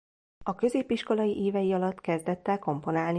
A középiskolai évei alatt kezdett el komponálni.